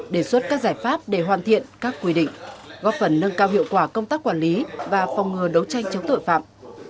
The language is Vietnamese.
đề xuất các giải pháp để hoàn thiện các quy định góp phần nâng cao hiệu quả công tác quản lý và phòng ngừa đấu tranh chống tội phạm